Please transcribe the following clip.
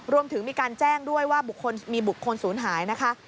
รวมถึงมีการแจ้งด้วยว่ามีบุคคลศูนย์หายนะคะ